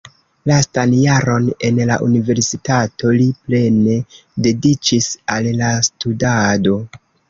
Lastan jaron en la universitato li plene dediĉis al la studado.